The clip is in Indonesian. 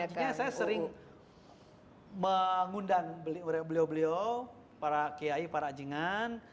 makanya saya sering mengundang beliau beliau para kiai para anjingan